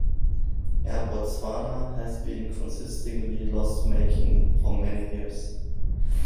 Air Botswana has been consistently loss-making for many years.